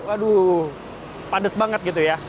aduh padat banget gitu ya